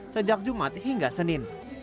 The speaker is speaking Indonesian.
sejak jumat hingga senin